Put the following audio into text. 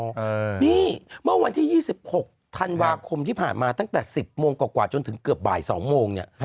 นี่เมื่อวันที่๒๖ธันวาคมที่ผ่านมาตั้งแต่๑๐โมงกว่าจนถึงเกือบบ่าย๒โมงเนี่ย